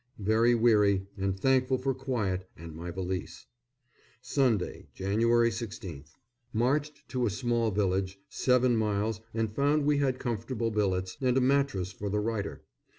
Very weary, and thankful for quiet and my valise. Sunday, Jan. 16th. Marched to a small village seven miles, and found we had comfortable billets, and a mattress for the writer.